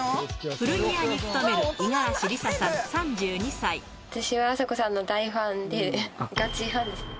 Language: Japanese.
古着屋に勤める五十嵐りささ私はあさこさんの大ファンで、ガチファンですね。